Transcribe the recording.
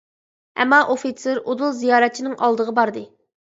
ئەمما ئوفىتسېر ئۇدۇل زىيارەتچىنىڭ ئالدىغا باردى.